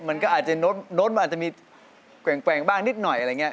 มันก็อาจจะโน้ตมันอาจจะมีแกว่งบ้างนิดหน่อยอะไรอย่างนี้